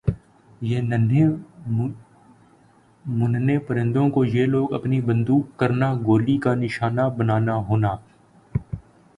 یِہ ننھے مننھے پرند کو یِہ لوگ اپنی بندوق کرنا گولی کا نشانہ بننا ہونا